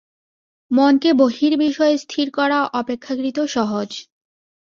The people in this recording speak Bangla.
মনকে বহির্বিষয়ে স্থির করা অপেক্ষাকৃত সহজ।